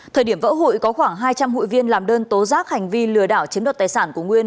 thời điểm vỡ hội có khoảng hai trăm linh hụi viên làm đơn tố giác hành vi lừa đảo chiếm đoạt tài sản của nguyên